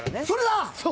それだ！！